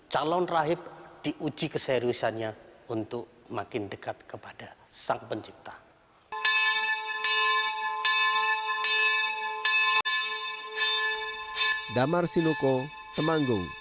calon rahib diuji keseriusannya untuk makin dekat kepada sang pencipta